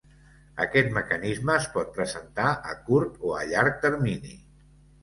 Aquest mecanisme es pot presentar a curt o a llarg termini.